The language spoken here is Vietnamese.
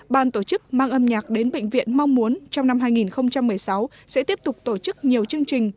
ban tổ chức mang âm nhạc đến bệnh viện mong muốn trong năm hai nghìn một mươi sáu sẽ tiếp tục tổ chức nhiều chương trình